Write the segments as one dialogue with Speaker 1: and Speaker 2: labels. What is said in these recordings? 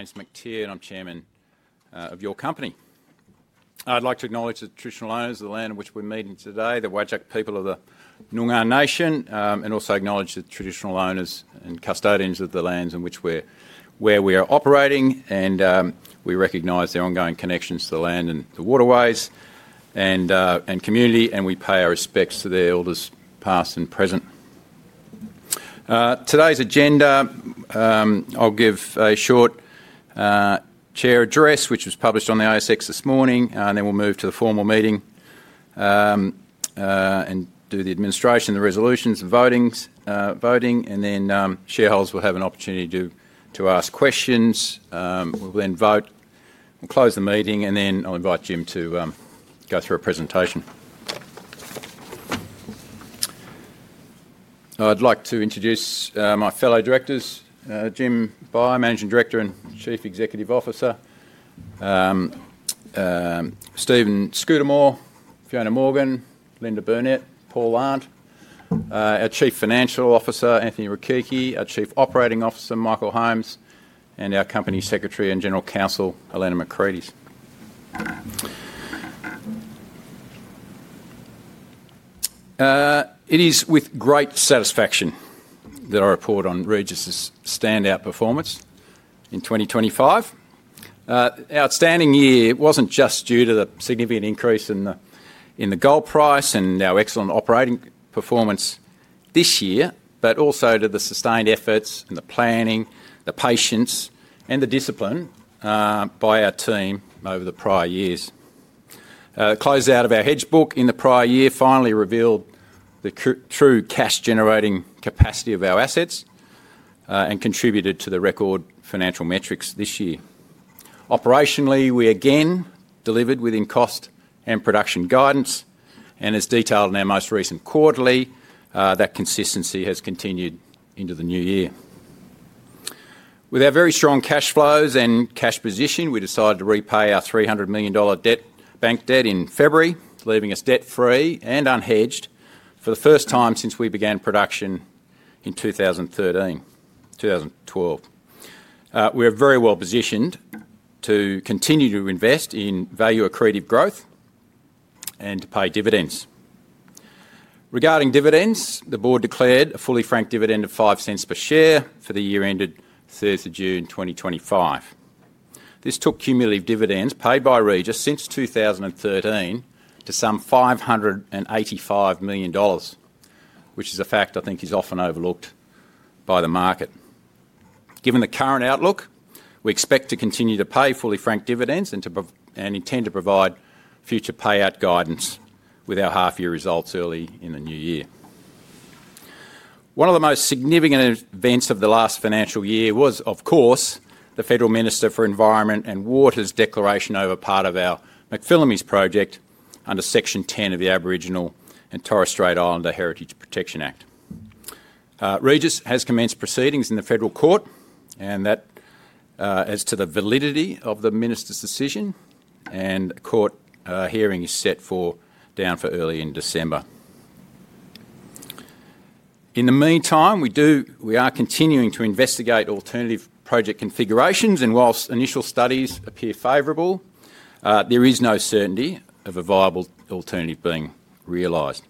Speaker 1: My name's Mactier, and I'm chairman of your company. I'd like to acknowledge the traditional owners of the land in which we're meeting today, the Whadjuk people of the Noongar Nation, and also acknowledge the traditional owners and custodians of the lands in which we're operating. We recognize their ongoing connections to the land and the waterways and community, and we pay our respects to their elders, past and present. Today's agenda, I'll give a short chair address, which was published on the ASX this morning, and then we'll move to the formal meeting and do the administration of the resolutions and voting. Shareholders will have an opportunity to ask questions. We'll then vote. We'll close the meeting, and then I'll invite Jim to go through a presentation. I'd like to introduce my fellow directors, Jim Beyer, Managing Director and Chief Executive Officer, Stephen Scudamore, Fiona Morgan, Linda Burnet, Paul Arndt, our Chief Financial Officer, Anthony Rechichi, our Chief Operating Officer, Michael Holmes, and our Company Secretary and General Counsel, Elena Macrides. It is with great satisfaction that I report on Regis' standout performance in 2025. Our outstanding year wasn't just due to the significant increase in the gold price and our excellent operating performance this year, but also to the sustained efforts and the planning, the patience, and the discipline by our team over the prior years. The closeout of our hedge book in the prior year finally revealed the true cash-generating capacity of our assets and contributed to the record financial metrics this year. Operationally, we again delivered within cost and production guidance, and as detailed in our most recent quarterly, that consistency has continued into the new year. With our very strong cash flows and cash position, we decided to repay our 300 million dollar bank debt in February, leaving us debt-free and unhedged for the first time since we began production in 2012. We are very well positioned to continue to invest in value-accretive growth and to pay dividends. Regarding dividends, the board declared a fully franked dividend of 0.05 per share for the year ended 3rd of June 2025. This took cumulative dividends paid by Regis since 2013 to some 585 million dollars, which is a fact I think is often overlooked by the market. Given the current outlook, we expect to continue to pay fully franked dividends and intend to provide future payout guidance with our half-year results early in the new year. One of the most significant events of the last financial year was, of course, the Federal Minister for Environment and Water's declaration over part of our McPhillamys project under Section 10 of the Aboriginal and Torres Strait Islander Heritage Protection Act. Regis has commenced proceedings in the Federal Court, and that as to the validity of the Minister's decision, and a court hearing is set for down for early in December. In the meantime, we are continuing to investigate alternative project configurations, and whilst initial studies appear favourable, there is no certainty of a viable alternative being realised.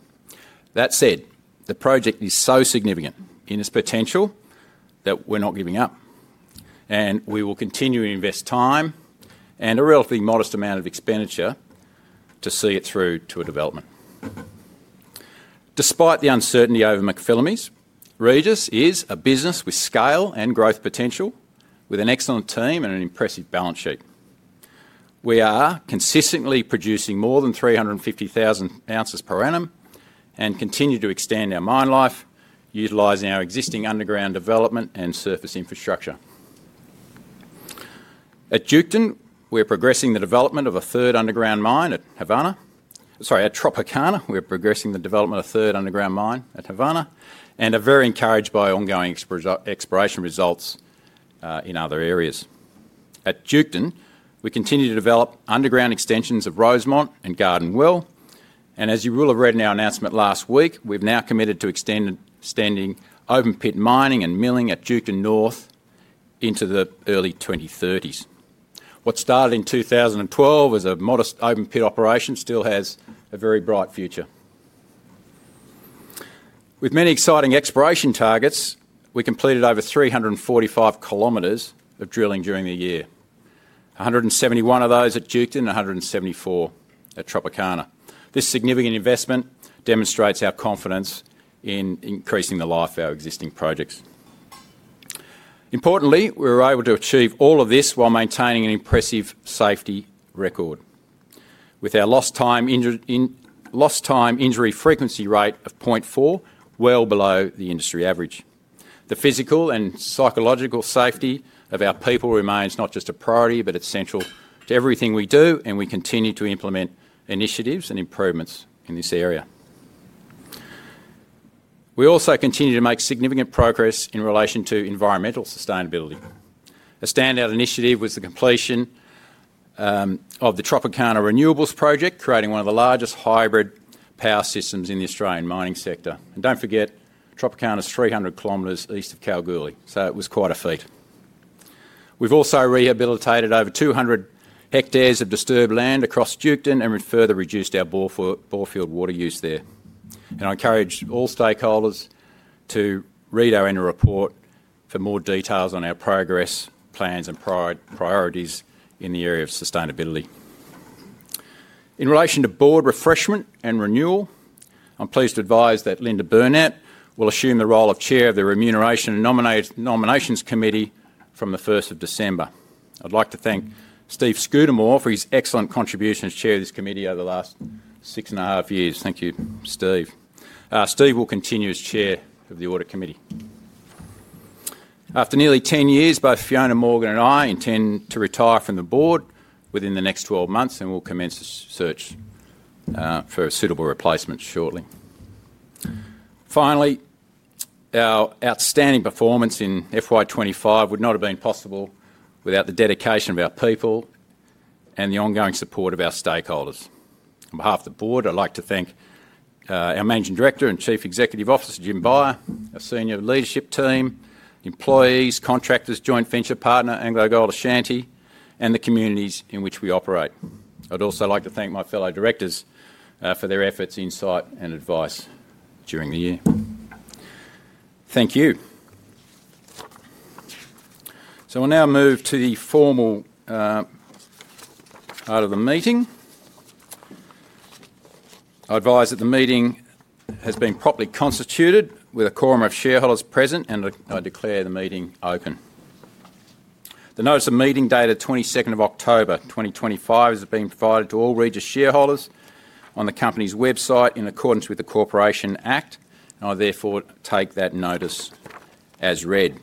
Speaker 1: That said, the project is so significant in its potential that we're not giving up, and we will continue to invest time and a relatively modest amount of expenditure to see it through to a development. Despite the uncertainty over McPhillamys, Regis is a business with scale and growth potential, with an excellent team and an impressive balance sheet. We are consistently producing more than 350,000 ounces per annum and continue to extend our mine life, utilizing our existing underground development and surface infrastructure. At Duketon, we're progressing the development of a third underground mine at Havana. Sorry, at Tropicana, we're progressing the development of a third underground mine at Havana, and are very encouraged by ongoing exploration results in other areas. At Duketon, we continue to develop underground extensions of Rosemont and Garden Well, and as you will have read in our announcement last week, we've now committed to extending open-pit mining and milling at Duketon North into the early 2030s. What started in 2012 as a modest open-pit operation still has a very bright future. With many exciting exploration targets, we completed over 345 km of drilling during the year, 171 km of those at Duketon and 174 km at Tropicana. This significant investment demonstrates our confidence in increasing the life of our existing projects. Importantly, we were able to achieve all of this while maintaining an impressive safety record, with our lost-time injury frequency rate of 0.4, well below the industry average. The physical and psychological safety of our people remains not just a priority, but it's central to everything we do, and we continue to implement initiatives and improvements in this area. We also continue to make significant progress in relation to environmental sustainability. A standout initiative was the completion of the Tropicana Renewables project, creating one of the largest hybrid power systems in the Australian mining sector. Do not forget, Tropicana is 300 km east of Kalgoorlie, so it was quite a feat. We have also rehabilitated over 200 hectares of disturbed land across Duketon and further reduced our borefield water use there. I encourage all stakeholders to read our annual report for more details on our progress, plans, and priorities in the area of sustainability. In relation to board refreshment and renewal, I'm pleased to advise that Linda Burnet will assume the role of Chair of the Remuneration and Nominations Committee from the 1st of December. I'd like to thank Steve Scudamore for his excellent contribution as Chair of this committee over the last six and a half years. Thank you, Steve. Steve will continue as Chair of the Audit Committee. After nearly 10 years, both Fiona Morgan and I intend to retire from the board within the next 12 months, and we'll commence the search for a suitable replacement shortly. Finally, our outstanding performance in FY 2025 would not have been possible without the dedication of our people and the ongoing support of our stakeholders. On behalf of the board, I'd like to thank our Managing Director and Chief Executive Officer, Jim Beyer, our senior leadership team, employees, contractors, joint venture partner, AngloGold Ashanti, and the communities in which we operate. I'd also like to thank my fellow directors for their efforts, insight, and advice during the year. Thank you. We will now move to the formal part of the meeting. I advise that the meeting has been properly constituted with a quorum of shareholders present, and I declare the meeting open. The notice of meeting dated 22nd of October 2025 has been provided to all Regis shareholders on the company's website in accordance with the Corporations Act, and I therefore take that notice as read.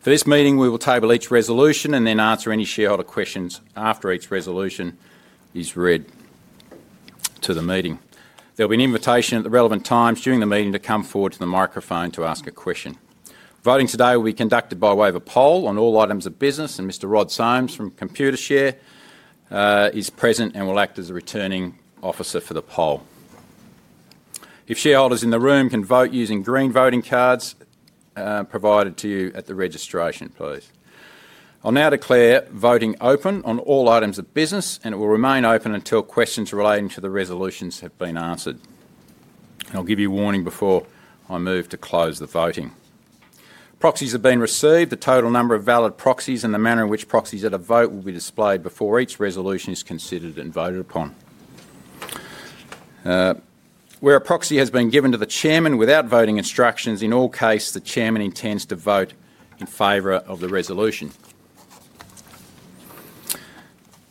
Speaker 1: For this meeting, we will table each resolution and then answer any shareholder questions after each resolution is read to the meeting. There'll be an invitation at the relevant times during the meeting to come forward to the microphone to ask a question. Voting today will be conducted by way of a poll on all items of business, and Mr. Rod Simms from Computershare is present and will act as a returning officer for the poll. If shareholders in the room can vote using green voting cards provided to you at the registration, please. I'll now declare voting open on all items of business, and it will remain open until questions relating to the resolutions have been answered. I'll give you a warning before I move to close the voting. Proxies have been received. The total number of valid proxies and the manner in which proxies are to vote will be displayed before each resolution is considered and voted upon. Where a proxy has been given to the chairman without voting instructions, in all cases, the chairman intends to vote in favor of the resolution.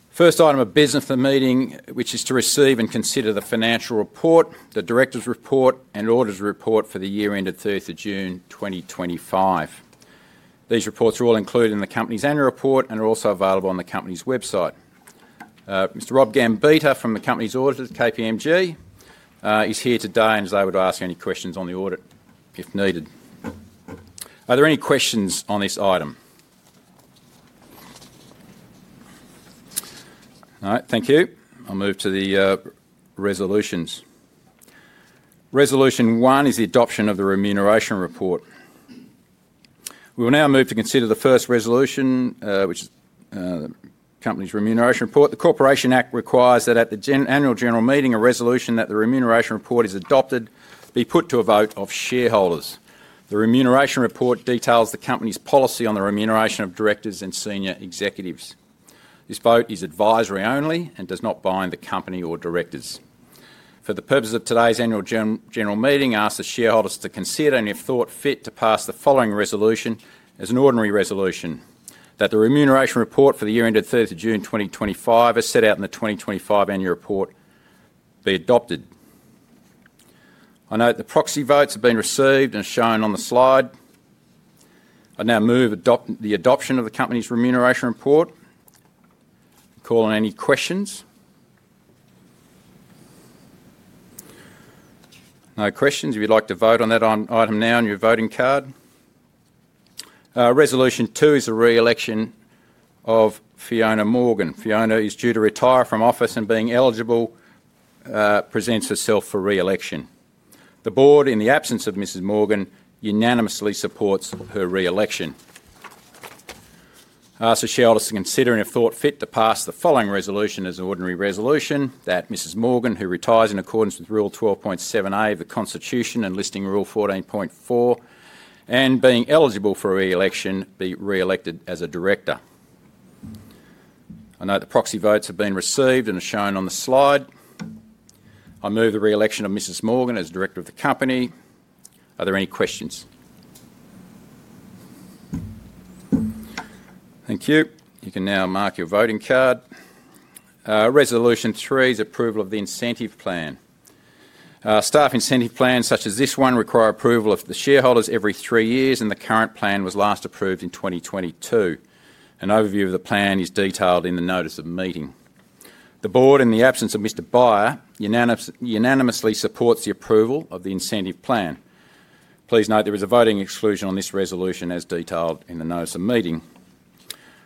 Speaker 1: First item of business of the meeting, which is to receive and consider the financial report, the director's report, and auditor's report for the year ended 3rd of June 2025. These reports are all included in the company's annual report and are also available on the company's website. Mr. Rob Gambitta from the company's auditors, KPMG, is here today and is able to ask any questions on the audit if needed. Are there any questions on this item? All right, thank you. I'll move to the resolutions. Resolution one is the adoption of the Remuneration Report. We will now move to consider the first resolution, which is the company's Remuneration Report. The Corporations Act requires that at the annual general meeting, a resolution that the Remuneration Report is adopted be put to a vote of shareholders. The Remuneration Report details the company's policy on the remuneration of directors and senior executives. This vote is advisory only and does not bind the company or directors. For the purpose of today's annual general meeting, I ask the shareholders to consider and, if thought fit, to pass the following resolution as an ordinary resolution: that the Remuneration Report for the year ended 3rd of June 2025 as set out in the 2025 annual report be adopted. I note the proxy votes have been received and shown on the slide. I now move the adoption of the company's Remuneration Report. Call in any questions. No questions. If you'd like to vote on that item now on your voting card. Resolution two is the re-election of Fiona Morgan. Fiona is due to retire from office and, being eligible, presents herself for re-election. The board, in the absence of Mrs. Morgan, unanimously supports her re-election. I ask the shareholders to consider, and if thought fit, to pass the following resolution as an ordinary resolution: that Mrs. Morgan, who retires in accordance with Rule 12.7A of the Constitution and listing Rule 14.4, and, being eligible for re-election, be re-elected as a director. I note the proxy votes have been received and are shown on the slide. I move the re-election of Mrs. Morgan as director of the company. Are there any questions? Thank you. You can now mark your voting card. Resolution three is approval of the incentive plan. Staff incentive plans such as this one require approval of the shareholders every three years, and the current plan was last approved in 2022. An overview of the plan is detailed in the notice of meeting. The board, in the absence of Mr. Beyer, unanimously supports the approval of the incentive plan. Please note there is a voting exclusion on this resolution as detailed in the notice of meeting.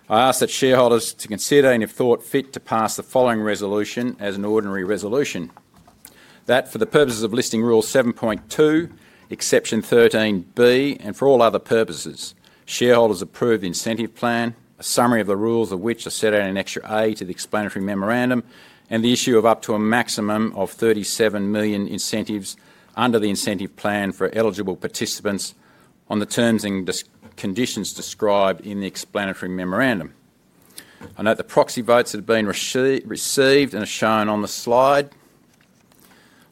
Speaker 1: I ask that shareholders to consider and, if thought fit, to pass the following resolution as an ordinary resolution: that for the purposes of Listing Rule 7.2, Exception 13B, and for all other purposes, shareholders approve the Incentive Plan, a summary of the rules of which are set out in Extra A to the explanatory memorandum, and the issue of up to a maximum of 37 million incentives under the Incentive Plan for eligible participants on the terms and conditions described in the explanatory memorandum. I note the proxy votes have been received and are shown on the slide.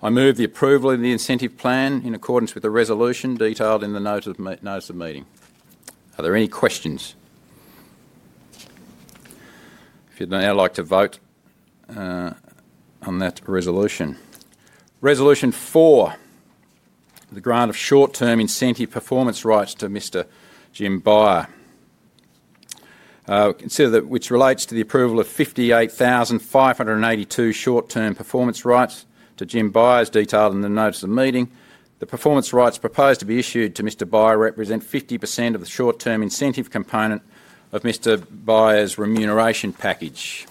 Speaker 1: I move the approval of the Incentive Plan in accordance with the resolution detailed in the notice of meeting. Are there any questions? If you'd now like to vote on that resolution. Resolution four, the grant of short-term incentive performance rights to Mr. Jim Beyer. Consider that which relates to the approval of 58,582 short-term performance rights to Jim Beyer as detailed in the notice of meeting. The performance rights proposed to be issued to Mr. Beyer represent 50% of the short-term incentive component of Mr. Beyer's remuneration package.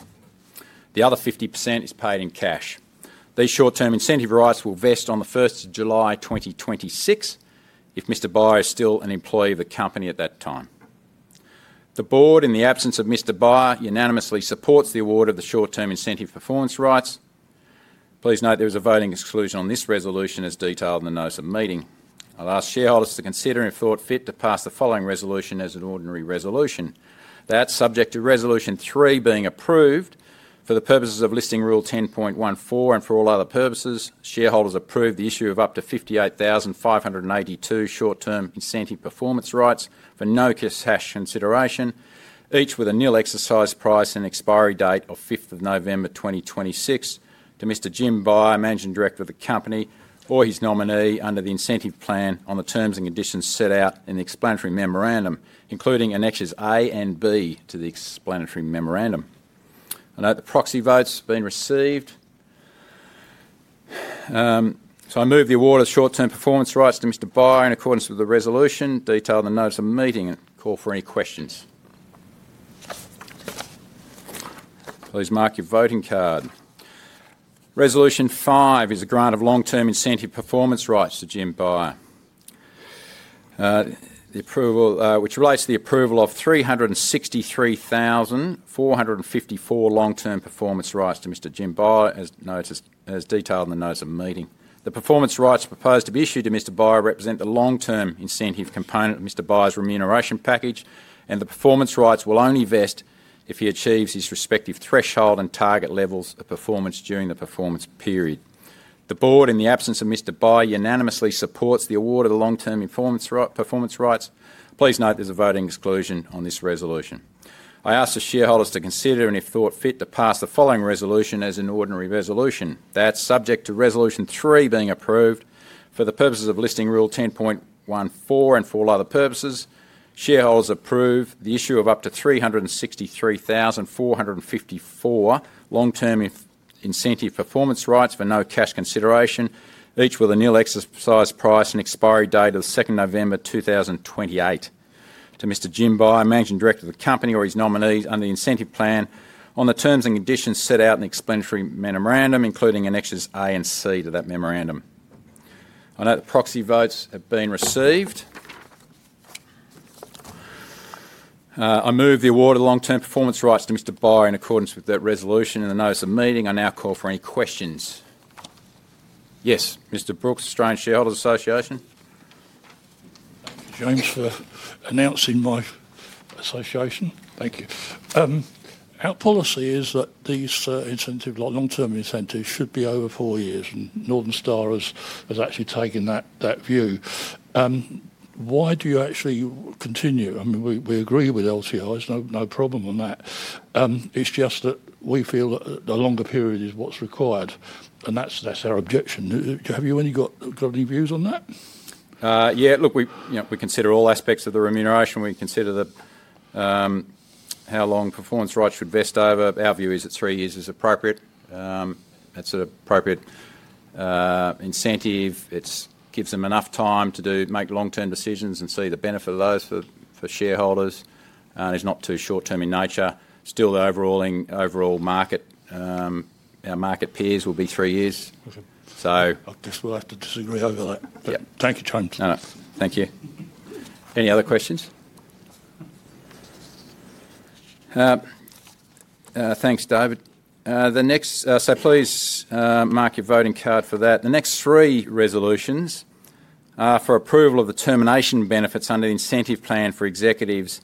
Speaker 1: The other 50% is paid in cash. These short-term incentive rights will vest on the 1st of July 2026 if Mr. Beyer is still an employee of the company at that time. The board, in the absence of Mr. Beyer, unanimously supports the award of the short-term incentive performance rights. Please note there is a voting exclusion on this resolution as detailed in the notice of meeting. I'll ask shareholders to consider and, if thought fit, to pass the following resolution as an ordinary resolution. That subject to resolution three being approved for the purposes of listing Rule 10.14 and for all other purposes, shareholders approve the issue of up to 58,582 short-term incentive performance rights for no cash consideration, each with a nil exercise price and expiry date of 5th of November 2026 to Mr. Jim Beyer, Managing Director of the company, or his nominee under the Incentive Plan on the terms and conditions set out in the explanatory memorandum, including annexes A and B to the explanatory memorandum. I note the proxy votes being received. I move the award of short-term performance rights to Mr. Beyer in accordance with the resolution detailed in the notice of meeting. Call for any questions. Please mark your voting card. Resolution five is a grant of long-term incentive performance rights to Jim Beyer. Which relates to the approval of 363,454 long-term performance rights to Mr. Jim Beyer, as detailed in the notice of meeting. The performance rights proposed to be issued to Mr. Beyer represent the long-term incentive component of Mr. Beyer's remuneration package, and the performance rights will only vest if he achieves his respective threshold and target levels of performance during the performance period. The board, in the absence of Mr. Beyer, unanimously supports the award of the long-term performance rights. Please note there's a voting exclusion on this resolution. I ask the shareholders to consider and, if thought fit, to pass the following resolution as an ordinary resolution. That subject to resolution three being approved for the purposes of listing Rule 10.14 and for all other purposes, shareholders approve the issue of up to 363,454 long-term incentive performance rights for no cash consideration, each with a nil exercise price and expiry date of 2nd November 2028 to Mr. Jim Beyer, Managing Director of the company or his nominee under the Incentive Plan on the terms and conditions set out in the explanatory memorandum, including annexes A and C to that memorandum. I note the proxy votes have been received. I move the award of long-term Performance Rights to Mr. Beyer in accordance with that resolution in the notice of meeting. I now call for any questions. Yes, Mr. Brooks, Australian Shareholders Association.
Speaker 2: Thank you, James, for announcing my association. Thank you. Our policy is that these incentives, long-term incentives, should be over four years, and Northern Star has actually taken that view. Why do you actually continue? I mean, we agree with LTIs, no problem on that. It's just that we feel that a longer period is what's required, and that's our objection. Have you got any views on that?
Speaker 1: Yeah, look, we consider all aspects of the remuneration. We consider how long performance rights should vest over. Our view is that three years is appropriate. That's an appropriate incentive. It gives them enough time to make long-term decisions and see the benefit of those for shareholders. It's not too short-term in nature. Still, the overall market, our market peers, will be three years.
Speaker 2: I guess we'll have to disagree over that. Thank you, James.
Speaker 1: Thank you. Any other questions? Thanks, David. Please mark your voting card for that. The next three resolutions are for approval of the termination benefits under the Incentive Plan for executives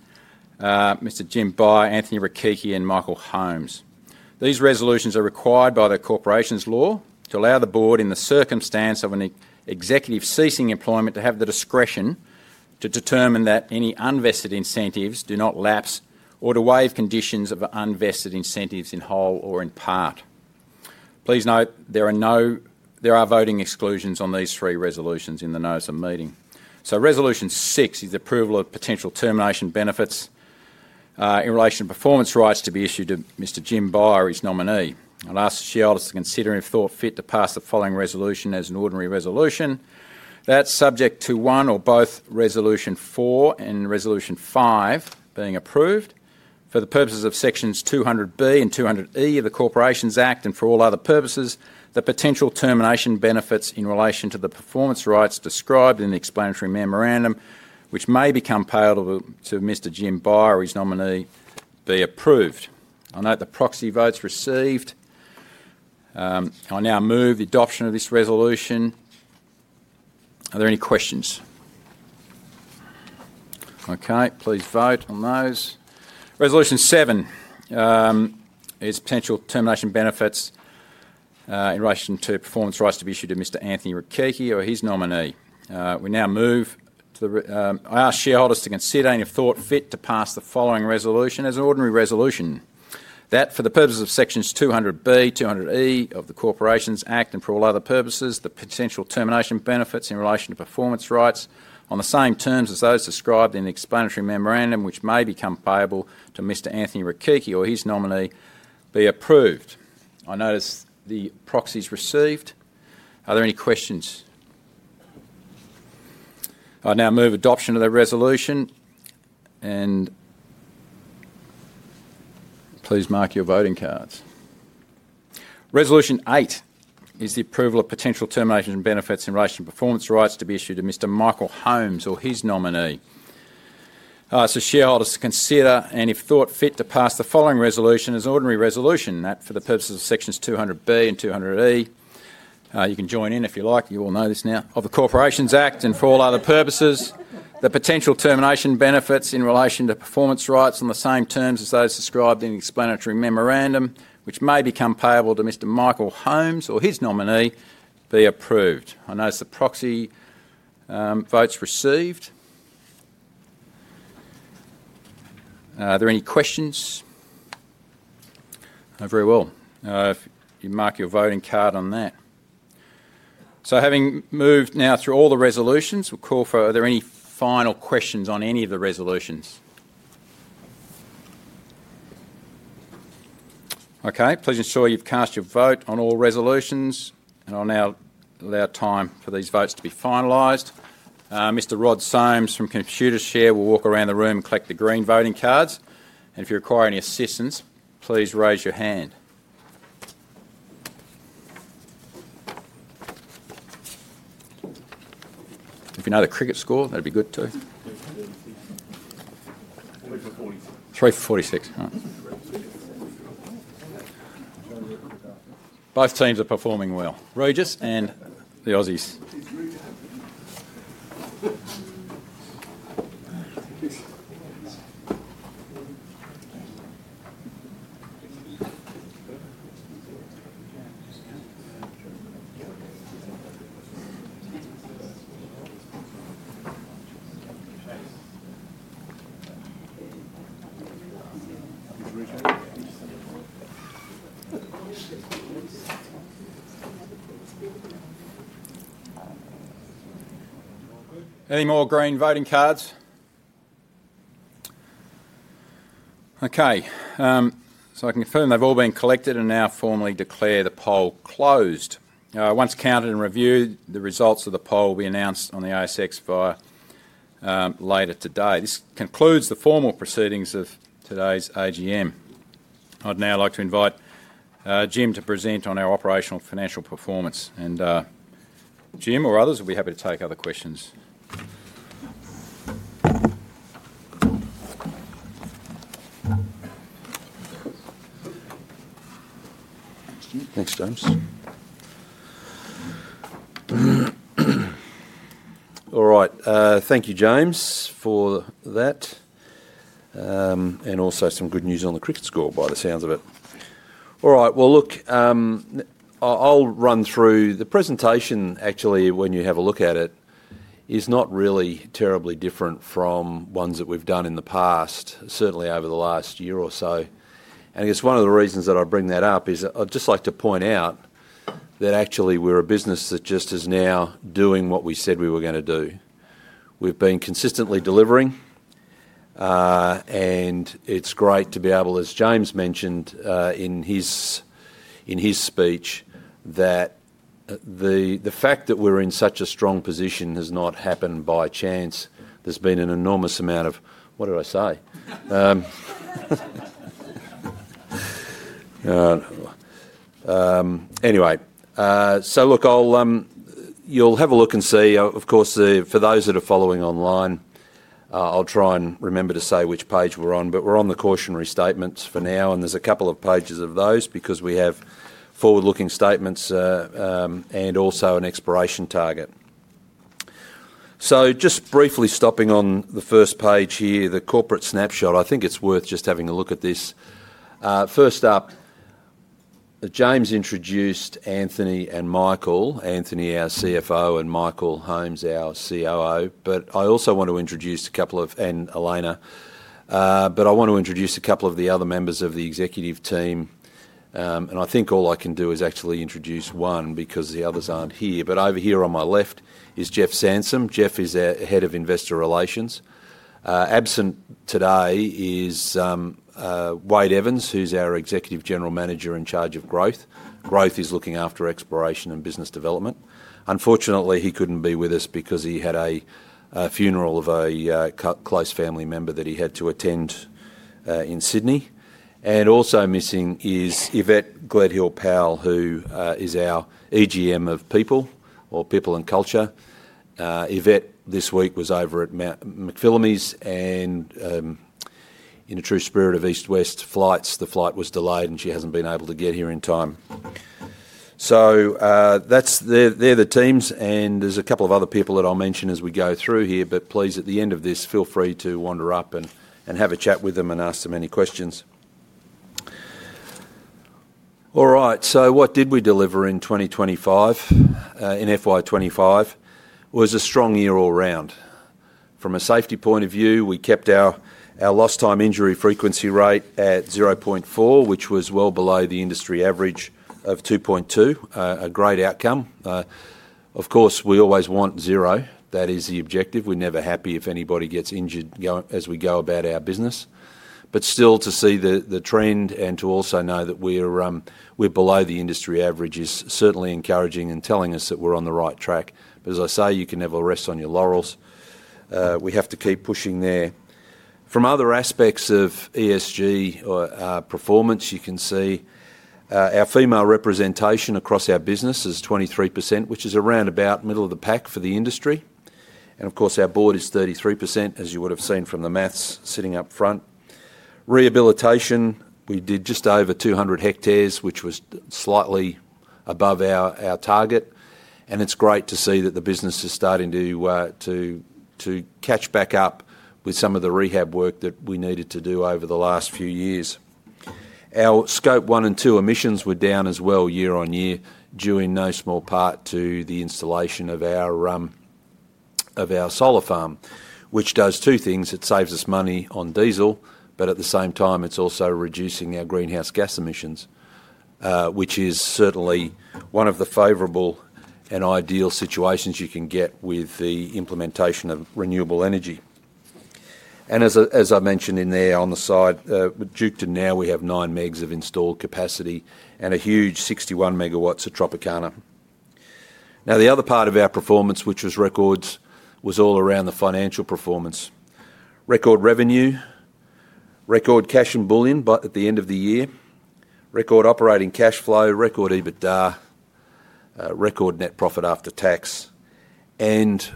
Speaker 1: Mr. Jim Beyer, Anthony Rechichi, and Michael Holmes. These resolutions are required by the Corporation's law to allow the board, in the circumstance of an executive ceasing employment, to have the discretion to determine that any unvested incentives do not lapse or to waive conditions of unvested incentives in whole or in part. Please note there are voting exclusions on these three resolutions in the notice of meeting. Resolution six is the approval of potential termination benefits in relation to performance rights to be issued to Mr. Jim Beyer, his nominee. I will ask the shareholders to consider and, if thought fit, to pass the following resolution as an ordinary resolution. That's subject to one or both resolution four and resolution five being approved for the purposes of sections 200B and 200E of the Corporations Act and for all other purposes, the potential termination benefits in relation to the performance rights described in the explanatory memorandum, which may become payable to Mr. Jim Beyer, his nominee, be approved. I'll note the proxy votes received. I now move the adoption of this resolution. Are there any questions? Okay, please vote on those. Resolution seven is potential termination benefits in relation to performance rights to be issued to Mr. Anthony Rechichi or his nominee. We now move to the I ask shareholders to consider and, if thought fit, to pass the following resolution as an ordinary resolution. That for the purposes of sections 200B, 200E of the Corporation's Act and for all other purposes, the potential termination benefits in relation to performance rights on the same terms as those described in the explanatory memorandum, which may become payable to Mr. Anthony Rechichi or his nominee, be approved. I notice the proxy's received. Are there any questions? I now move adoption of the resolution, and please mark your voting cards. Resolution eight is the approval of potential termination benefits in relation to performance rights to be issued to Mr. Michael Holmes or his nominee. I ask the shareholders to consider and, if thought fit, to pass the following resolution as an ordinary resolution. That for the purposes of sections 200B and 200E, you can join in if you like. You all know this now. Of the Corporation's Act and for all other purposes, the potential termination benefits in relation to performance rights on the same terms as those described in the explanatory memorandum, which may become payable to Mr. Michael Holmes or his nominee, be approved. I notice the proxy votes received. Are there any questions? Very well. You mark your voting card on that. Having moved now through all the resolutions, we'll call for are there any final questions on any of the resolutions? Okay, please ensure you've cast your vote on all resolutions, and I'll now allow time for these votes to be finalized. Mr. Rod Simms from Computershare will walk around the room and collect the green voting cards, and if you require any assistance, please raise your hand. If you know the cricket score, that'd be good too. 3 for 46. 3 for 46. All right. Both teams are performing well. Regis and the Aussies. Any more green voting cards? Okay, I can confirm they've all been collected and now formally declare the poll closed. Once counted and reviewed, the results of the poll will be announced on the ASX via later today. This concludes the formal proceedings of today's AGM. I'd now like to invite Jim to present on our operational financial performance, and Jim or others will be happy to take other questions.
Speaker 3: Thanks, James. All right, thank you, James, for that, and also some good news on the cricket score by the sounds of it. All right, look, I'll run through the presentation, actually, when you have a look at it, is not really terribly different from ones that we've done in the past, certainly over the last year or so. I guess one of the reasons that I bring that up is I'd just like to point out that actually we're a business that just is now doing what we said we were going to do. We've been consistently delivering, and it's great to be able, as James mentioned in his speech, that the fact that we're in such a strong position has not happened by chance. There's been an enormous amount of, what did I say? Anyway, look, you'll have a look and see. Of course, for those that are following online, I'll try and remember to say which page we're on, but we're on the cautionary statements for now, and there's a couple of pages of those because we have forward-looking statements and also an exploration target. Just briefly stopping on the first page here, the corporate snapshot, I think it's worth just having a look at this. First up, James introduced Anthony and Michael, Anthony, our CFO, and Michael Holmes, our COO. I also want to introduce a couple of, and Elena, but I want to introduce a couple of the other members of the executive team, and I think all I can do is actually introduce one because the others aren't here. Over here on my left is Jeff Sansom. Jeff is head of investor relations. Absent today is Wade Evans, who's our Executive General Manager in charge of growth. Growth is looking after exploration and business development. Unfortunately, he couldn't be with us because he had a funeral of a close family member that he had to attend in Sydney. Also missing is Yvette Gledhill-Powell, who is our AGM of people or people and culture. Yvette this week was over at McPhillamys, and in a true spirit of East West Flights, the flight was delayed, and she hasn't been able to get here in time. They're the teams, and there's a couple of other people that I'll mention as we go through here, but please, at the end of this, feel free to wander up and have a chat with them and ask them any questions. All right, so what did we deliver in 2025? In FY 2025, it was a strong year all around. From a safety point of view, we kept our lost-time injury frequency rate at 0.4, which was well below the industry average of 2.2, a great outcome. Of course, we always want zero. That is the objective. We're never happy if anybody gets injured as we go about our business. Still, to see the trend and to also know that we're below the industry average is certainly encouraging and telling us that we're on the right track. As I say, you can never rest on your laurels. We have to keep pushing there. From other aspects of ESG performance, you can see our female representation across our business is 23%, which is around about middle of the pack for the industry. Of course, our board is 33%, as you would have seen from the maths sitting up front. Rehabilitation, we did just over 200 hectares, which was slightly above our target, and it's great to see that the business is starting to catch back up with some of the rehab work that we needed to do over the last few years. Our scope one and two emissions were down as well year-on-year, due in no small part to the installation of our solar farm, which does two things. It saves us money on diesel, but at the same time, it's also reducing our greenhouse gas emissions, which is certainly one of the favorable and ideal situations you can get with the implementation of renewable energy. As I mentioned in there on the side, Duketon now we have 9 MW of installed capacity and a huge 61 MW at Tropicana. Now, the other part of our performance, which was records, was all around the financial performance. Record revenue, record cash and bullion at the end of the year, record operating cash flow, record EBITDA, record net profit after tax, and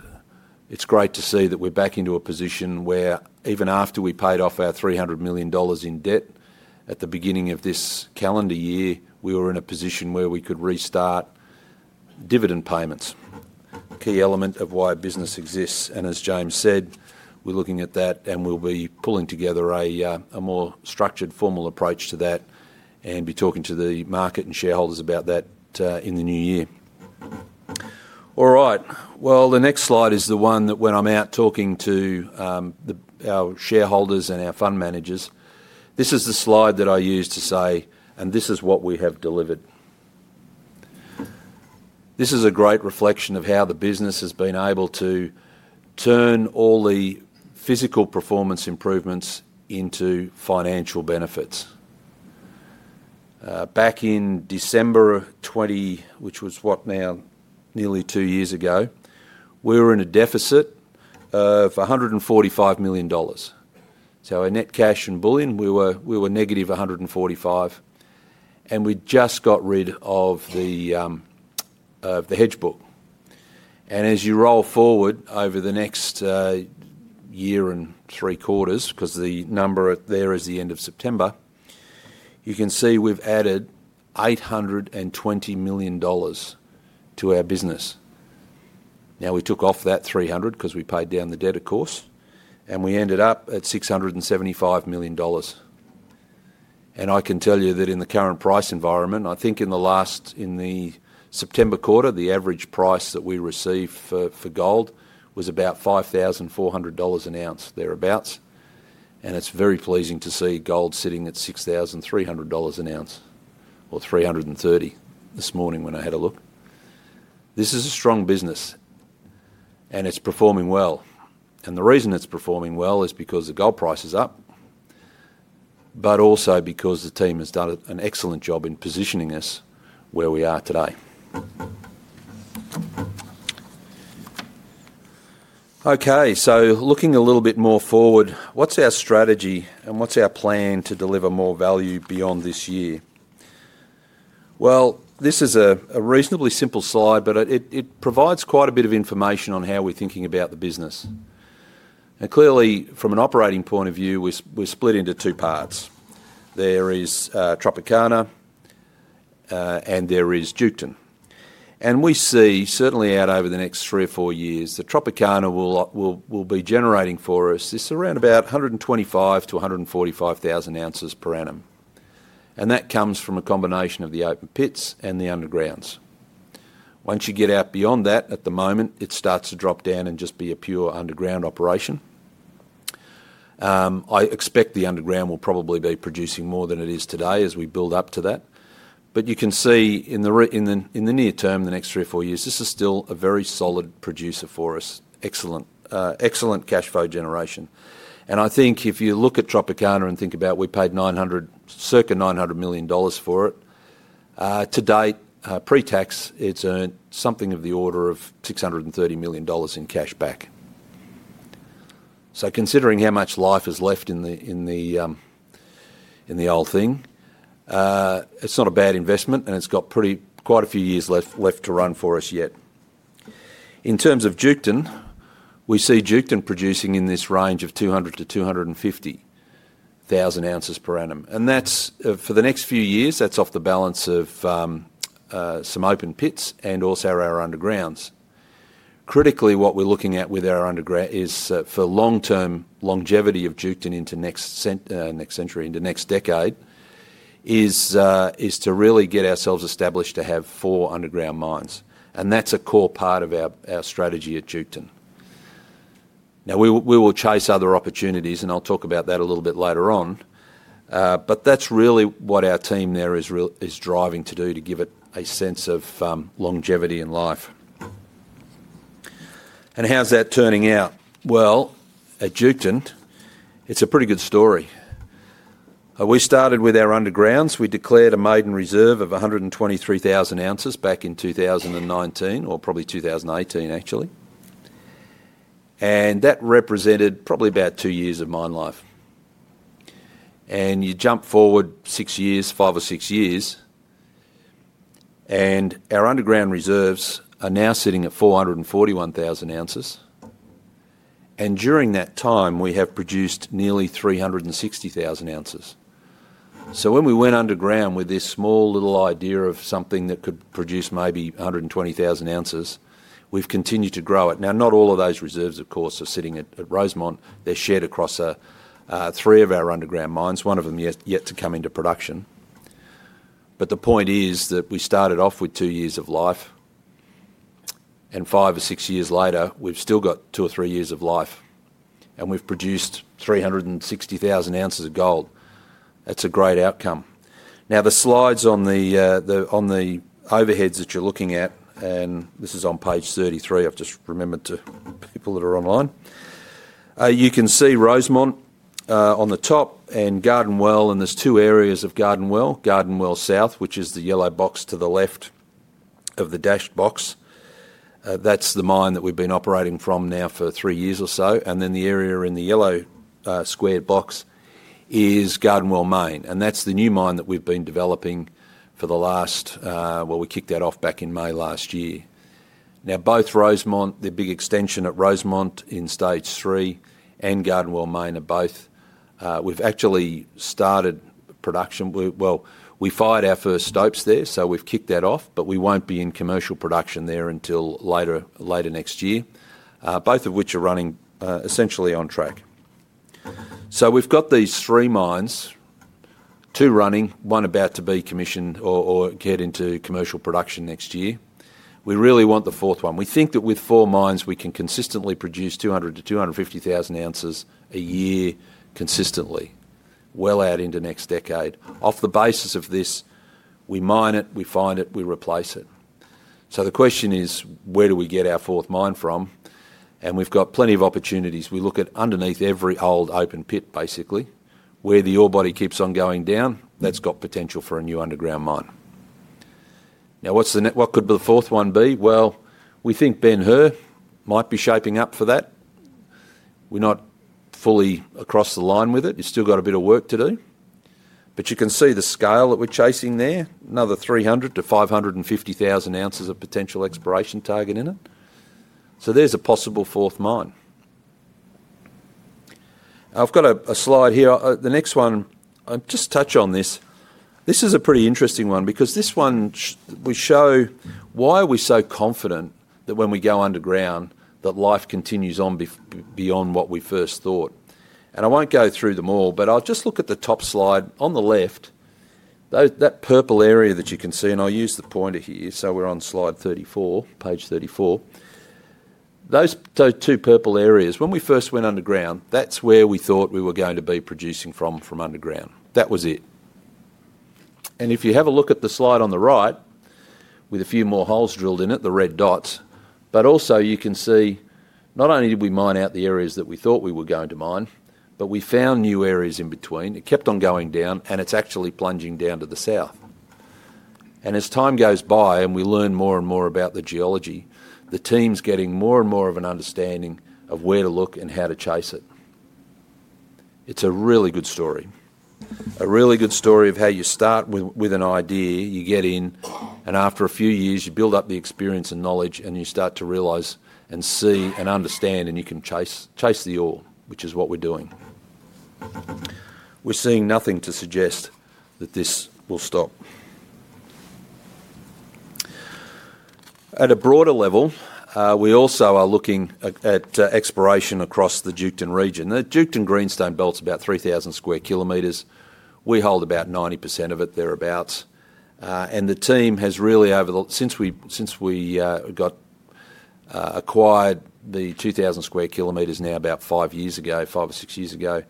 Speaker 3: it is great to see that we are back into a position where even after we paid off our 300 million dollars in debt at the beginning of this calendar year, we were in a position where we could restart dividend payments, a key element of why business exists. As James said, we are looking at that, and we will be pulling together a more structured, formal approach to that and be talking to the market and shareholders about that in the new year. All right, the next slide is the one that when I'm out talking to our shareholders and our fund managers, this is the slide that I use to say, and this is what we have delivered. This is a great reflection of how the business has been able to turn all the physical performance improvements into financial benefits. Back in December 2020, which was what now nearly two years ago, we were in a deficit of 145 million dollars. Our net cash and bullion, we were -145 million, and we just got rid of the hedge book. As you roll forward over the next year and three quarters, because the number there is the end of September, you can see we've added 820 million dollars to our business. We took off that 300 million because we paid down the debt, of course, and we ended up at 675 million dollars. I can tell you that in the current price environment, I think in the last, in the September quarter, the average price that we received for gold was about 5,400 dollars an ounce, thereabouts, and it is very pleasing to see gold sitting at 6,300 dollars an ounce or 6,330 this morning when I had a look. This is a strong business, and it is performing well. The reason it is performing well is because the gold price is up, but also because the team has done an excellent job in positioning us where we are today. Looking a little bit more forward, what is our strategy and what is our plan to deliver more value beyond this year? This is a reasonably simple slide, but it provides quite a bit of information on how we are thinking about the business. Clearly, from an operating point of view, we're split into two parts. There is Tropicana, and there is Duketon. We see, certainly out over the next three or four years, that Tropicana will be generating for us, it's around about 125,000-145,000 ounces per annum, and that comes from a combination of the open pits and the undergrounds. Once you get out beyond that, at the moment, it starts to drop down and just be a pure underground operation. I expect the underground will probably be producing more than it is today as we build up to that. You can see in the near term, the next three or four years, this is still a very solid producer for us, excellent cash flow generation. I think if you look at Tropicana and think about we paid circa 900 million dollars for it, to date, pre-tax, it's earned something of the order of 630 million dollars in cash back. Considering how much life is left in the old thing, it's not a bad investment, and it's got quite a few years left to run for us yet. In terms of Duketon, we see Duketon producing in this range of 200,000-250,000 ounces per annum. For the next few years, that's off the balance of some open pits and also our undergrounds. Critically, what we're looking at with our underground is for long-term longevity of Duketon into next century, into next decade, is to really get ourselves established to have four underground mines, and that's a core part of our strategy at Duketon. Now, we will chase other opportunities, and I'll talk about that a little bit later on, but that's really what our team there is driving to do, to give it a sense of longevity and life. How's that turning out? At Duketon, it's a pretty good story. We started with our undergrounds. We declared a maiden reserve of 123,000 ounces back in 2019, or probably 2018, actually, and that represented probably about two years of mine life. You jump forward six years, five or six years, and our underground reserves are now sitting at 441,000 ounces, and during that time, we have produced nearly 360,000 ounces. When we went underground with this small little idea of something that could produce maybe 120,000 ounces, we've continued to grow it. Not all of those reserves, of course, are sitting at Rosemont. They're shared across three of our underground mines. One of them is yet to come into production. The point is that we started off with two years of life, and five or six years later, we've still got two or three years of life, and we've produced 360,000 ounces of gold. That's a great outcome. Now, the slides on the overheads that you're looking at, and this is on page 33. I've just remembered to people that are online. You can see Rosemont on the top and Garden Well, and there's two areas of Garden Well, Garden Well South, which is the yellow box to the left of the dashed box. That's the mine that we've been operating from now for three years or so. The area in the yellow squared box is Garden Well Main, and that's the new mine that we've been developing for the last, we kicked that off back in May last year. Now, both Rosemont, the big extension at Rosemont in stage three and Garden Well Main are both, we've actually started production. We fired our first stokes there, so we've kicked that off, but we won't be in commercial production there until later next year, both of which are running essentially on track. We've got these three mines, two running, one about to be commissioned or get into commercial production next year. We really want the fourth one. We think that with four mines, we can consistently produce 200,000-250,000 ounces a year consistently, well out into next decade. Off the basis of this, we mine it, we find it, we replace it. The question is, where do we get our fourth mine from? We've got plenty of opportunities. We look at underneath every old open pit, basically, where the ore body keeps on going down, that's got potential for a new underground mine. Now, what could the fourth one be? We think Ben-Hur might be shaping up for that. We're not fully across the line with it. You've still got a bit of work to do. You can see the scale that we're chasing there, another 300,000-550,000 ounces of potential exploration target in it. There's a possible fourth mine. I've got a slide here. The next one, I'll just touch on this. This is a pretty interesting one because this one will show why we're so confident that when we go underground, that life continues on beyond what we first thought. I will not go through them all, but I will just look at the top slide on the left, that purple area that you can see, and I will use the pointer here. We are on slide 34, page 34. Those two purple areas, when we first went underground, that is where we thought we were going to be producing from underground. That was it. If you have a look at the slide on the right with a few more holes drilled in it, the red dots, but also you can see not only did we mine out the areas that we thought we were going to mine, but we found new areas in between. It kept on going down, and it is actually plunging down to the south. As time goes by and we learn more and more about the geology, the team's getting more and more of an understanding of where to look and how to chase it. It's a really good story, a really good story of how you start with an idea, you get in, and after a few years, you build up the experience and knowledge, and you start to realize and see and understand, and you can chase the ore, which is what we're doing. We're seeing nothing to suggest that this will stop. At a broader level, we also are looking at exploration across the Duketon region. The Duketon Greenstone Belt is about 3,000 sq km. We hold about 90% of it, thereabouts. The team has really, since we got acquired the 2,000 sq km now about five years ago, five or six years ago,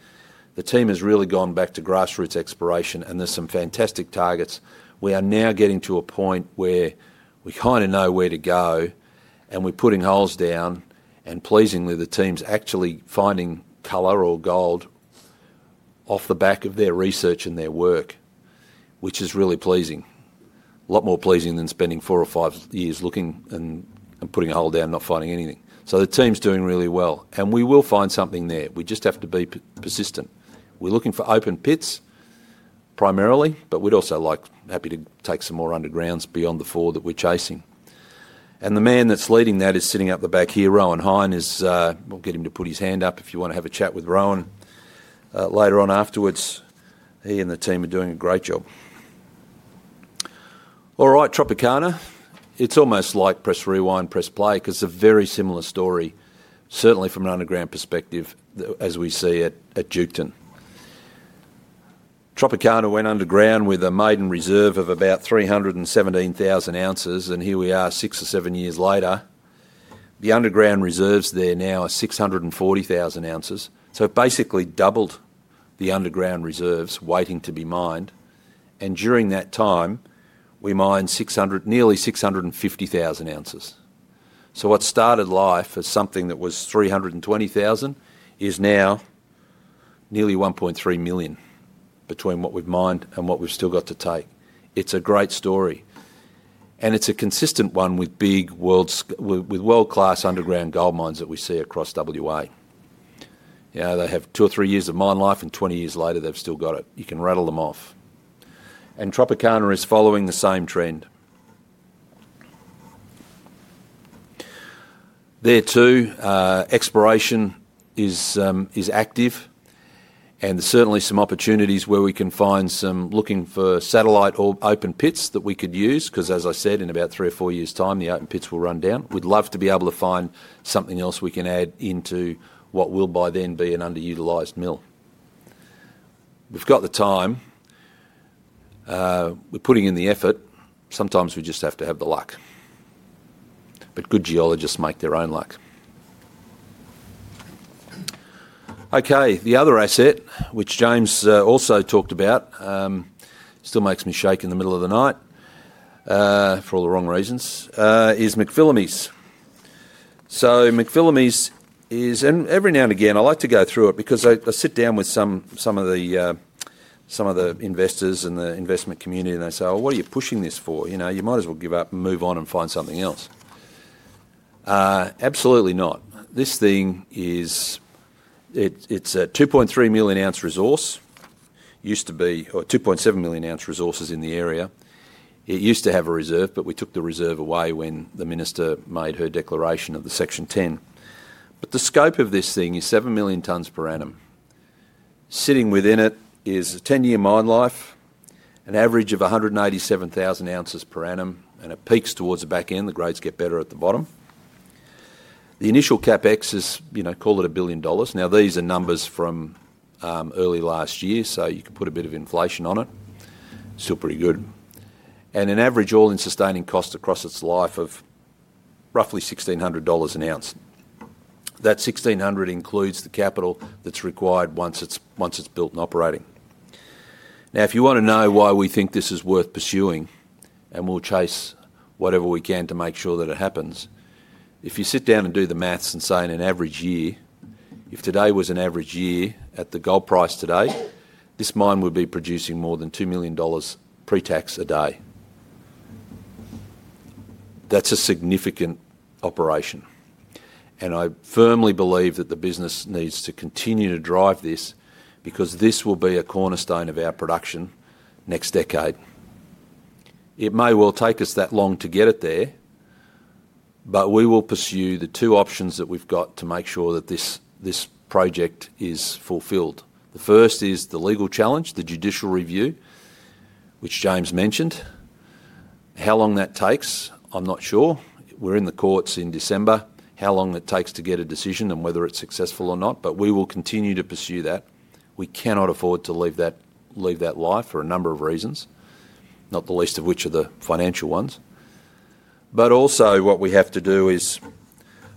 Speaker 3: the team has really gone back to grassroots exploration, and there are some fantastic targets. We are now getting to a point where we kind of know where to go, and we're putting holes down, and pleasingly, the team's actually finding color or gold off the back of their research and their work, which is really pleasing, a lot more pleasing than spending four or five years looking and putting a hole down, not finding anything. The team's doing really well, and we will find something there. We just have to be persistent. We're looking for open pits primarily, but we'd also be happy to take some more undergrounds beyond the four that we're chasing. The man that's leading that is sitting at the back here, Rowan Hine. We'll get him to put his hand up if you want to have a chat with Rowan later on afterwards. He and the team are doing a great job. All right, Tropicana, it's almost like press rewind, press play because it's a very similar story, certainly from an underground perspective, as we see at Duketon. Tropicana went underground with a maiden reserve of about 317,000 ounces, and here we are six or seven years later. The underground reserves there now are 640,000 ounces. Basically doubled the underground reserves waiting to be mined. During that time, we mined nearly 650,000 ounces. What started life as something that was 320,000 ounces is now nearly 1.3 million ounces between what we've mined and what we've still got to take. It's a great story, and it's a consistent one with world-class underground gold mines that we see across WA. They have two or three years of mine life, and 20 years later, they've still got it. You can rattle them off. Tropicana is following the same trend. There too, exploration is active, and there's certainly some opportunities where we can find some looking for satellite or open pits that we could use because, as I said, in about three or four years' time, the open pits will run down. We'd love to be able to find something else we can add into what will by then be an underutilized mill. We've got the time. We're putting in the effort. Sometimes we just have to have the luck, but good geologists make their own luck. Okay, the other asset, which James also talked about, still makes me shake in the middle of the night for all the wrong reasons, is McPhillamys. McPhillamys is, and every now and again, I like to go through it because I sit down with some of the investors and the investment community, and they say, "Well, what are you pushing this for? You might as well give up and move on and find something else." Absolutely not. This thing is, it's a 2.3 million ounces resource. Used to be or 2.7 million ounces resources in the area. It used to have a reserve, but we took the reserve away when the minister made her declaration of the Section 10. The scope of this thing is 7 million tonnes per annum. Sitting within it is a 10-year mine life, an average of 187,000 ounces per annum, and it peaks towards the back end. The grades get better at the bottom. The initial CapEx is, call it 1 billion dollars. Now, these are numbers from early last year, so you can put a bit of inflation on it. Still pretty good. And an average all-in sustaining cost across its life of roughly 1,600 dollars an ounce. That 1,600 includes the capital that is required once it is built and operating. Now, if you want to know why we think this is worth pursuing, and we will chase whatever we can to make sure that it happens, if you sit down and do the maths and say, in an average year, if today was an average year at the gold price today, this mine would be producing more than 2 million dollars pre-tax a day. That's a significant operation, and I firmly believe that the business needs to continue to drive this because this will be a cornerstone of our production next decade. It may well take us that long to get it there, but we will pursue the two options that we've got to make sure that this project is fulfilled. The first is the legal challenge, the judicial review, which James mentioned. How long that takes, I'm not sure. We're in the courts in December, how long it takes to get a decision and whether it's successful or not, but we will continue to pursue that. We cannot afford to leave that life for a number of reasons, not the least of which are the financial ones. What we have to do is,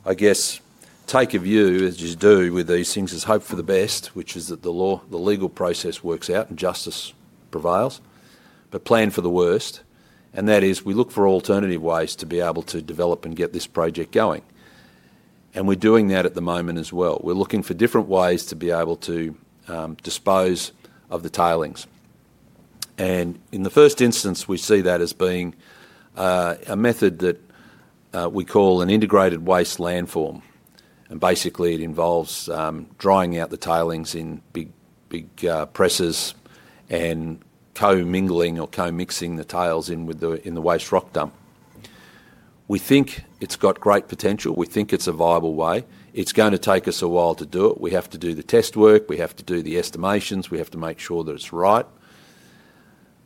Speaker 3: I guess, take a view, as you do with these things, is hope for the best, which is that the legal process works out and justice prevails, but plan for the worst. That is, we look for alternative ways to be able to develop and get this project going. We're doing that at the moment as well. We're looking for different ways to be able to dispose of the tailings. In the first instance, we see that as being a method that we call an integrated waste landform. Basically, it involves drying out the tailings in big presses and co-mingling or co-mixing the tails in the waste rock dump. We think it's got great potential. We think it's a viable way. It's going to take us a while to do it. We have to do the test work. We have to do the estimations. We have to make sure that it's right.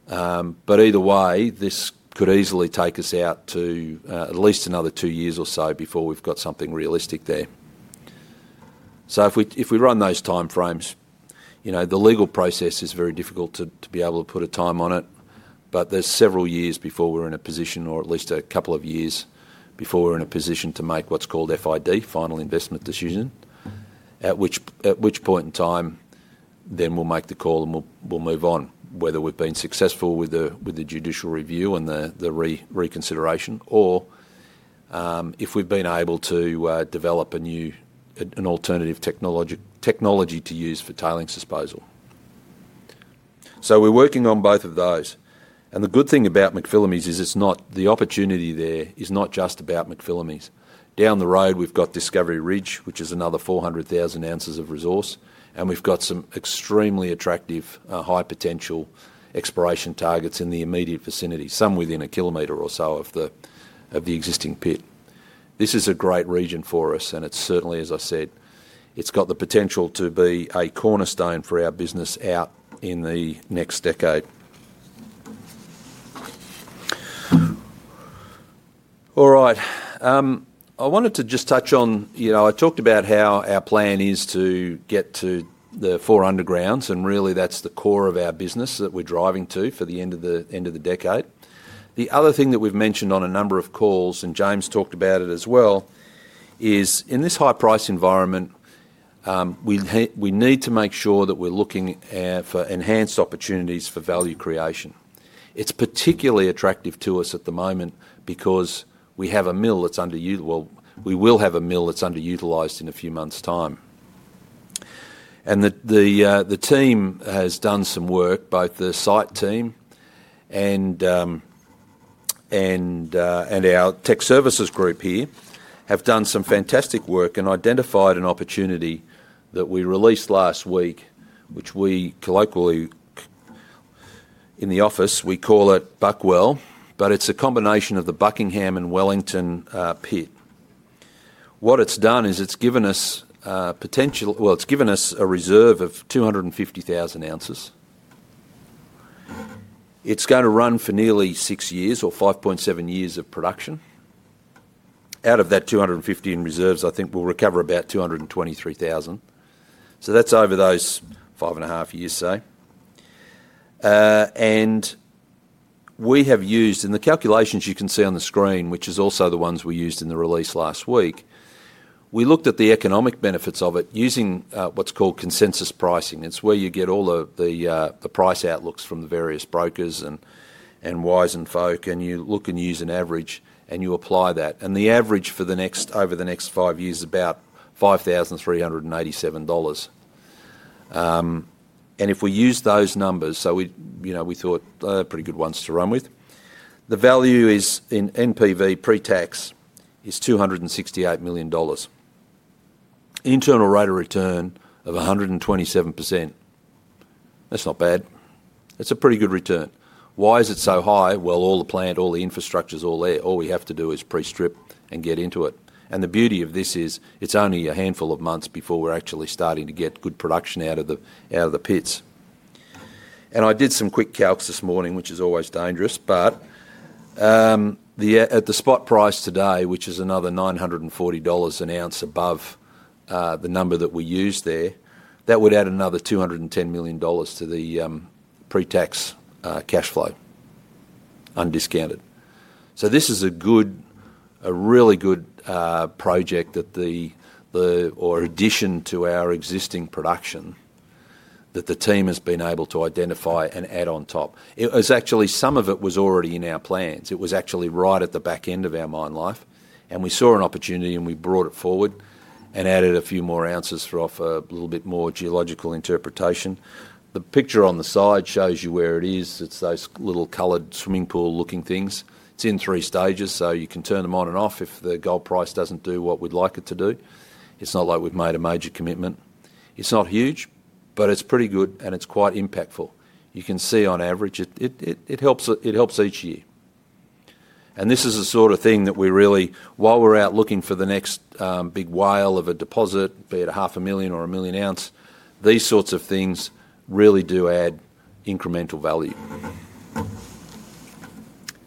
Speaker 3: Either way, this could easily take us out to at least another two years or so before we've got something realistic there. If we run those time frames, the legal process is very difficult to be able to put a time on it, but there's several years before we're in a position, or at least a couple of years before we're in a position to make what's called FID, final investment decision, at which point in time then we'll make the call and we'll move on, whether we've been successful with the judicial review and the reconsideration, or if we've been able to develop an alternative technology to use for tailings disposal. We're working on both of those. The good thing about McPhillamys is the opportunity there is not just about McPhillamys. Down the road, we've got Discovery Ridge, which is another 400,000 ounces of resource, and we've got some extremely attractive high-potential exploration targets in the immediate vicinity, some within a kilometer or so of the existing pit. This is a great region for us, and it's certainly, as I said, it's got the potential to be a cornerstone for our business out in the next decade. All right. I wanted to just touch on, I talked about how our plan is to get to the four undergrounds, and really that's the core of our business that we're driving to for the end of the decade. The other thing that we've mentioned on a number of calls, and James talked about it as well, is in this high-priced environment, we need to make sure that we're looking for enhanced opportunities for value creation. It's particularly attractive to us at the moment because we have a mill that's underutilized. We will have a mill that's underutilized in a few months' time. The team has done some work, both the site team and our tech services group here have done some fantastic work and identified an opportunity that we released last week, which we colloquially in the office, we call it Buckwell, but it's a combination of the Buckingham and Wellington pit. What it's done is it's given us potential, it's given us a reserve of 250,000 ounces. It's going to run for nearly six years or 5.7 years of production. Out of that 250 in reserves, I think we'll recover about 223,000 ounces. That is over those five and a half years, say. We have used, in the calculations you can see on the screen, which are also the ones we used in the release last week, we looked at the economic benefits of it using what is called consensus pricing. It is where you get all the price outlooks from the various brokers and wise and folk, and you look and use an average, and you apply that. The average for the next five years is about 5,387 dollars. If we use those numbers, we thought they are pretty good ones to run with, the value is in NPV pre-tax is 268 million dollars. Internal rate of return of 127%. That is not bad. That is a pretty good return. Why is it so high? All the plant, all the infrastructure's all there. All we have to do is pre-strip and get into it. The beauty of this is it's only a handful of months before we're actually starting to get good production out of the pits. I did some quick calcs this morning, which is always dangerous, but at the spot price today, which is another 940 dollars an ounce above the number that we used there, that would add another 210 million dollars to the pre-tax cash flow undiscounted. This is a really good project or addition to our existing production that the team has been able to identify and add on top. Some of it was already in our plans. It was actually right at the back end of our mine life. We saw an opportunity, and we brought it forward and added a few more ounces for a little bit more geological interpretation. The picture on the side shows you where it is. It is those little colored swimming pool-looking things. It is in three stages, so you can turn them on and off if the gold price does not do what we would like it to do. It is not like we have made a major commitment. It is not huge, but it is pretty good, and it is quite impactful. You can see on average, it helps each year. This is the sort of thing that we really, while we are out looking for the next big whale of a deposit, be it 500,000 or 1,000,000 ounces, these sorts of things really do add incremental value.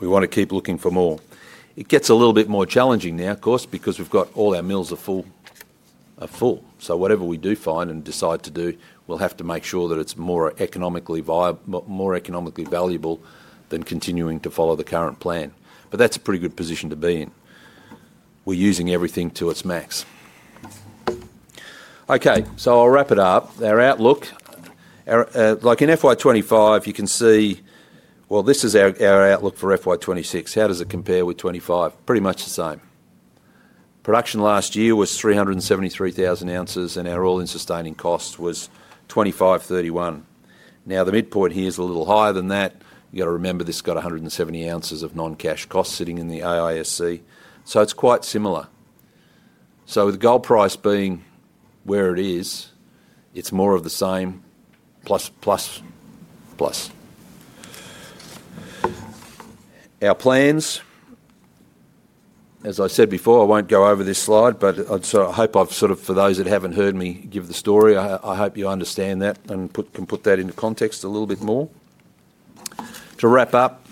Speaker 3: We want to keep looking for more. It gets a little bit more challenging now, of course, because we've got all our mills are full. Whatever we do find and decide to do, we'll have to make sure that it's more economically valuable than continuing to follow the current plan. That is a pretty good position to be in. We're using everything to its max. Okay, I'll wrap it up. Our outlook, like in FY 2025, you can see, this is our outlook for FY 2026. How does it compare with 2025? Pretty much the same. Production last year was 373,000 ounces, and our all-in sustaining cost was 2,531. The midpoint here is a little higher than that. You have to remember this has got 170 ounces of non-cash cost sitting in the AISC. It is quite similar. With gold price being where it is, it is more of the same, plus plus. Our plans, as I said before, I won't go over this slide, but I hope I've sort of, for those that haven't heard me give the story, I hope you understand that and can put that into context a little bit more. To wrap up,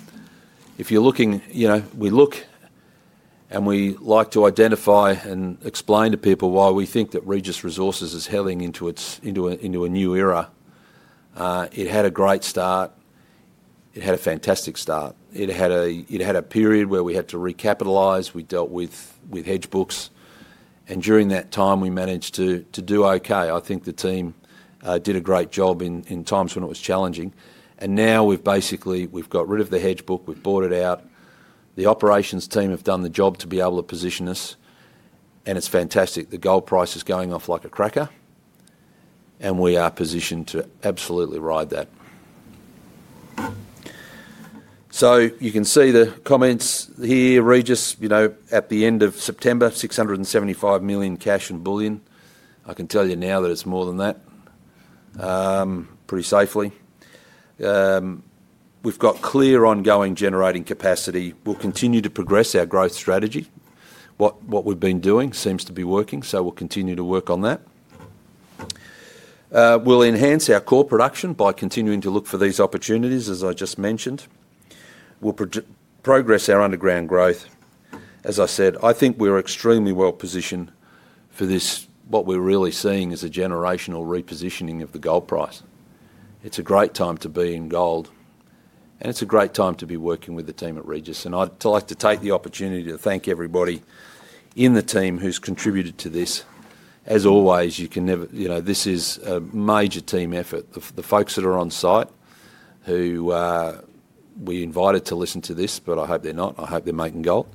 Speaker 3: if you're looking, we look and we like to identify and explain to people why we think that Regis Resources is heading into a new era. It had a great start. It had a fantastic start. It had a period where we had to recapitalise. We dealt with hedge books. During that time, we managed to do okay. I think the team did a great job in times when it was challenging. Now we've basically got rid of the hedge book. We've bought it out. The operations team have done the job to be able to position us. It's fantastic. The gold price is going off like a cracker, and we are positioned to absolutely ride that. You can see the comments here, Regis, at the end of September, 675 million cash and bullion. I can tell you now that it's more than that, pretty safely. We've got clear ongoing generating capacity. We'll continue to progress our growth strategy. What we've been doing seems to be working, so we'll continue to work on that. We'll enhance our core production by continuing to look for these opportunities, as I just mentioned. We'll progress our underground growth. As I said, I think we're extremely well positioned for this. What we're really seeing is a generational repositioning of the gold price. It's a great time to be in gold, and it's a great time to be working with the team at Regis. I would like to take the opportunity to thank everybody in the team who's contributed to this. As always, you can never, this is a major team effort. The folks that are on site who we invited to listen to this, but I hope they're not. I hope they're making gold.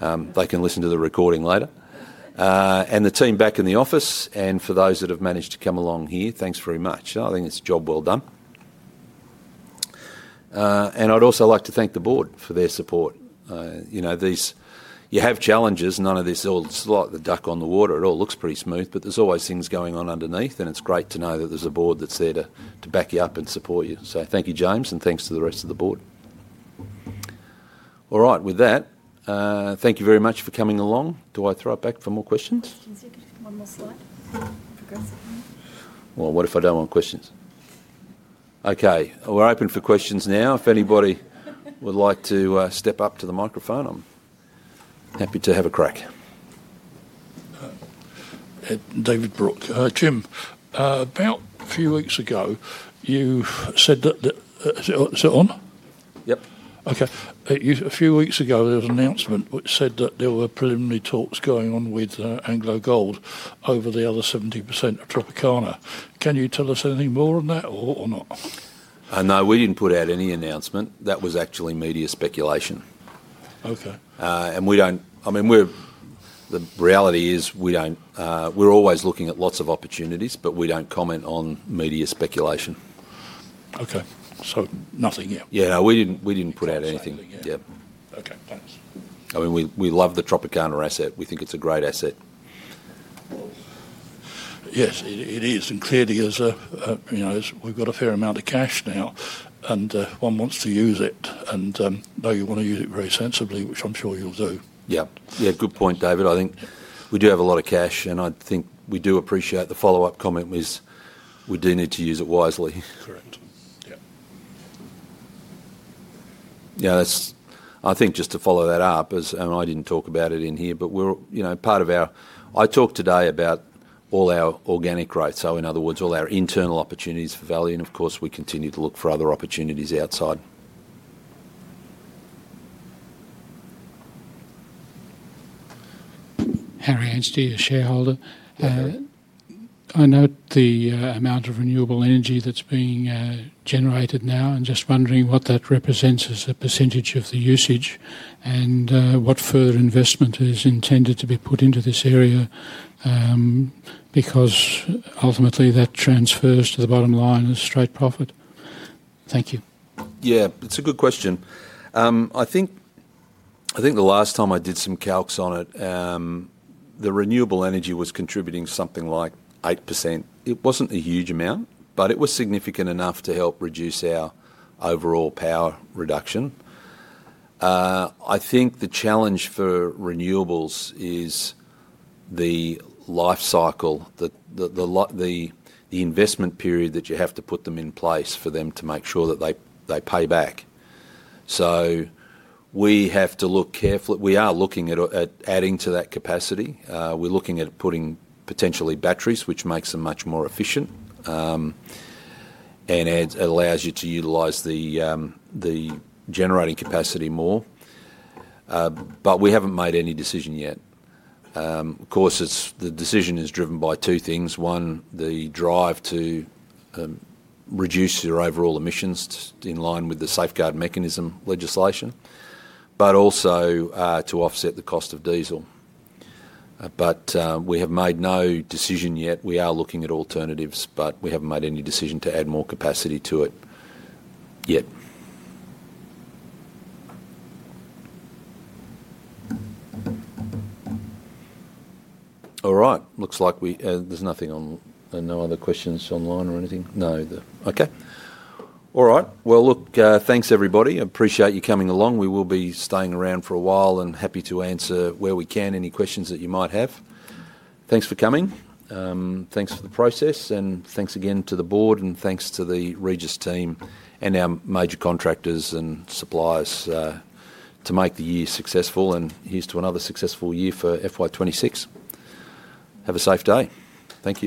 Speaker 3: They can listen to the recording later. The team back in the office, and for those that have managed to come along here, thanks very much. I think it's a job well done. I would also like to thank the board for their support. You have challenges. None of this is all slightly the duck on the water. It all looks pretty smooth, but there's always things going on underneath, and it's great to know that there's a board that's there to back you up and support you. Thank you, James, and thanks to the rest of the board. All right, with that, thank you very much for coming along. Do I throw it back for more questions?
Speaker 4: Questions, you could one more slide.
Speaker 3: What if I don't want questions? Okay, we're open for questions now. If anybody would like to step up to the microphone, I'm happy to have a crack.
Speaker 2: David Brooks, Jim, about a few weeks ago, you said that is it on?
Speaker 3: Yep.
Speaker 2: Okay. A few weeks ago, there was an announcement which said that there were preliminary talks going on with AngloGold over the other 70% of Tropicana. Can you tell us anything more on that or not?
Speaker 3: No, we didn't put out any announcement. That was actually media speculation.
Speaker 2: Okay.
Speaker 3: We don't, I mean, the reality is we don't, we're always looking at lots of opportunities, but we don't comment on media speculation. Okay. Nothing yet. Yeah, no, we didn't put out anything. Yeah.
Speaker 2: Okay. Thanks.
Speaker 3: I mean, we love the Tropicana asset. We think it's a great asset.
Speaker 2: Yes, it is. Clearly, as we've got a fair amount of cash now, and one wants to use it, and now you want to use it very sensibly, which I'm sure you'll do.
Speaker 3: Yeah. Good point, David. I think we do have a lot of cash, and I think we do appreciate the follow-up comment was we do need to use it wisely.
Speaker 2: Correct.
Speaker 3: Yeah. I think just to follow that up, and I didn't talk about it in here, but we're part of our I talked today about all our organic growth. In other words, all our internal opportunities for value. Of course, we continue to look for other opportunities outside.
Speaker 5: Harry Anstey, a shareholder. I note the amount of renewable energy that is being generated now and just wondering what that represents as a percentage of the usage and what further investment is intended to be put into this area because ultimately that transfers to the bottom line as straight profit. Thank you.
Speaker 3: Yeah, it is a good question. I think the last time I did some calcs on it, the renewable energy was contributing something like 8%. It was not a huge amount, but it was significant enough to help reduce our overall power reduction. I think the challenge for renewables is the life cycle, the investment period that you have to put them in place for them to make sure that they pay back. We have to look carefully. We are looking at adding to that capacity. We're looking at putting potentially batteries, which makes them much more efficient and allows you to utilize the generating capacity more. We haven't made any decision yet. Of course, the decision is driven by two things. One, the drive to reduce your overall emissions in line with the safeguard mechanism legislation, but also to offset the cost of diesel. We have made no decision yet. We are looking at alternatives, but we haven't made any decision to add more capacity to it yet. All right. Looks like there's nothing on, no other questions online or anything. No. All right. Thanks everybody. Appreciate you coming along. We will be staying around for a while and happy to answer where we can any questions that you might have. Thanks for coming. Thanks for the process. Thank you again to the board and thank you to the Regis team and our major contractors and suppliers to make the year successful. Here is to another successful year for FY 2026. Have a safe day. Thank you.